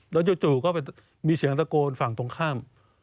แล้วจู่ก็มีเสียงตะโกนฝั่งตรงข้าม